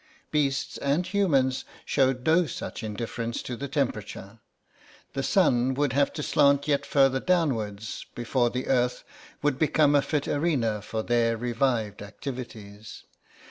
Beasts and humans showed no such indifference to the temperature; the sun would have to slant yet further downward before the earth would become a fit arena for their revived activities.